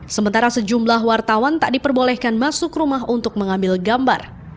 sementara sejumlah wartawan tak diperbolehkan masuk rumah untuk mengambil gambar